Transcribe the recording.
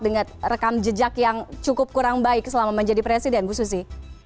dengan rekam jejak yang cukup kurang baik selama menjadi presiden bu susi